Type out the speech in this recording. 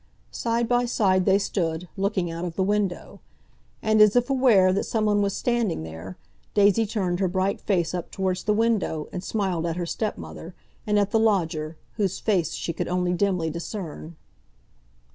Side by side they stood, looking out of the window. And, as if aware that someone was standing there, Daisy turned her bright face up towards the window and smiled at her stepmother, and at the lodger, whose face she could only dimly discern.